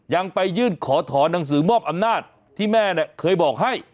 ยังไปยื่นขอถอนหนังสือมอบอำนาจที่แม่เนี่ยเคยบอกให้